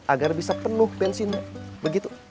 agar bisa penuh bensin begitu